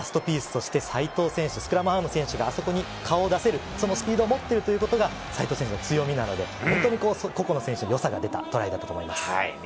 松島選手が外にいるので、引き付けられてラストピースとして齋藤選手、スクラムハーフの選手があそこに顔を出せるスピードを持っているということが強みなので、本当に個々の選手の良さが出たトライだったと思います。